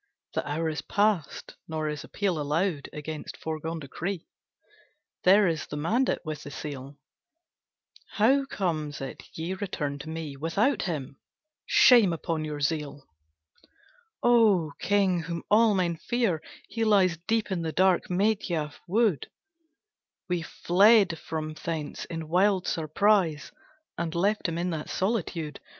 The hour is past; nor is appeal Allowed against foregone decree; There is the mandate with the seal! How comes it ye return to me Without him? Shame upon your zeal!" "O King, whom all men fear, he lies Deep in the dark Medhya wood, We fled from thence in wild surprise, And left him in that solitude.